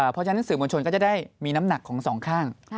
เพราะฉะนั้นสื่อมวลชนก็จะได้มีน้ำหนักของสองข้าง